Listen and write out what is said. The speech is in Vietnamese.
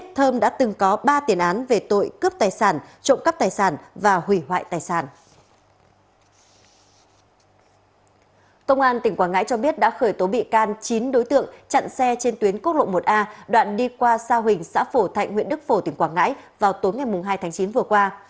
công an tỉnh quảng ngãi cho biết đã khởi tố bị can chín đối tượng chặn xe trên tuyến quốc lộ một a đoạn đi qua sa huỳnh xã phổ thạnh huyện đức phổ tỉnh quảng ngãi vào tối ngày hai tháng chín vừa qua